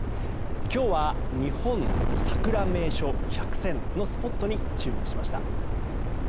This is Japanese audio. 今日は日本さくら名所１００選のスポットに注目しました。